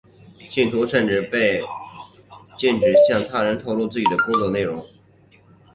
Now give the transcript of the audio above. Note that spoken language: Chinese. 信徒甚至被禁止向他人透露自己的工作内容。